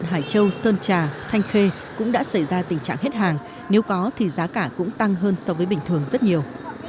hải châu sơn trà thanh khê cũng đã xảy ra tình trạng hết hàng nếu có thì giá cả cũng tăng hơn so với bình thường rất nhiều